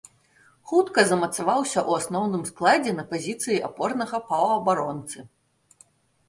Хутка замацаваўся ў асноўным складзе на пазіцыі апорнага паўабаронцы.